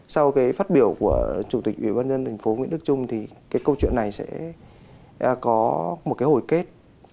sau cái phát biểu của chủ tịch ủy ban nhân thành phố nguyễn đức trung thì cái câu chuyện này sẽ có một cái hồi kết